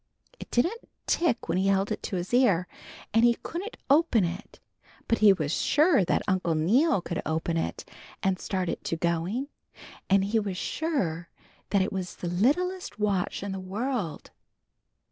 It didn't tick when he held it to his ear, and he couldn't open it, but he was sure that Uncle Neal could open it and start it to going, and he was sure that it was the littlest watch in the world.